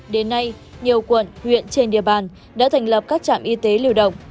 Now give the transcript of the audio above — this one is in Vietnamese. đến nay nhiều quận huyện trên địa bàn đã thành lập các trạm y tế lưu động